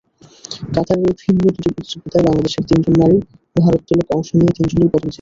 কাতারে ভিন্ন দুটি প্রতিযোগিতায় বাংলাদেশের তিনজন নারী ভারোত্তোলক অংশ নিয়ে তিনজনই পদক জিতেছেন।